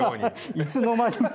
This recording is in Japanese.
いつの間にか。